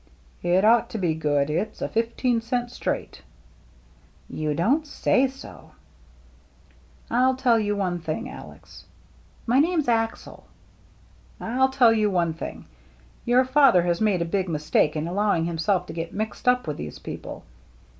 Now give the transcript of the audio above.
"It ought to be good. It's a fifteen cent straight." " Ton don't say so !"" I'll tell you one thing, Alex." " My name's Axel." "I'll tell you one thing. Your father has made a bad mistake in allowing himself to get mixed up with these people.